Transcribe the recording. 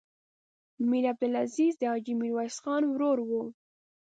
میر عبدالعزیز د حاجي میرویس خان ورور و.